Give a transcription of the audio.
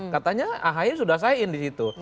katanya ahi sudah sayin di situ